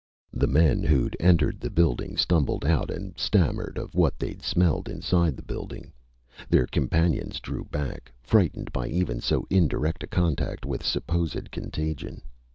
The men who'd entered the building stumbled out and stammered of what they'd smelled inside the building. Their companions drew back, frightened by even so indirect a contact with supposed contagion.